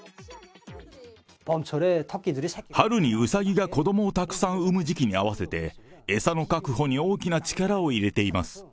春にうさぎが子どもをたくさん産む時期に合わせて、餌の確保に大きな力を入れています。